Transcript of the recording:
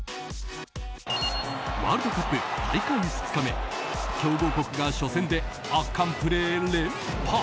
ワールドカップ大会２日目強豪国が初戦で圧巻プレー連発。